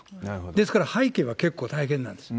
ですから、背景は結構大変なんです。